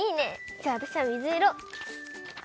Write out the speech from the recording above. じゃあわたしはみずいろ。